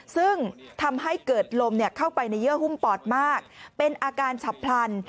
ซึ่งทำให้เกิดลมเข้าไปในเยื่อหุ้มปอดมากเป็นอาการฉับพลัน